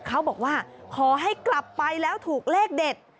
เขาบอกว่าขอให้กลับไปแล้วถูกเลขเด็ด